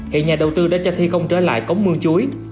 hiện nhà đầu tư đã cho thi công trở lại cống mương chuối